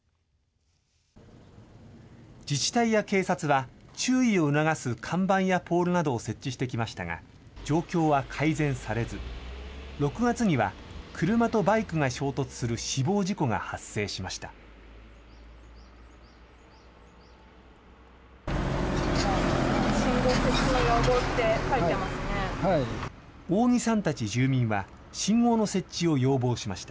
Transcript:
自治体や警察は注意を促す看板やポールなどを設置してきましたが、状況は改善されず、６月には、車とバイクが衝突する死亡事故が発生しました。